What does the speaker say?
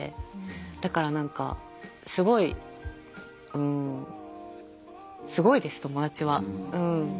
だから何かすごいうんすごいです友達はうん。